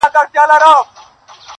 پاچا لگیا دی وه زاړه کابل ته رنگ ورکوي.